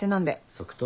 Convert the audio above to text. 即答？